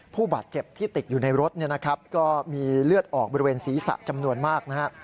ผู้บาดเจ็บที่ติดอยู่ในรถก็มีเลือดออกบริเวณศีรษะจำนวนมาก